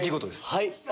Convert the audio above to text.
はい！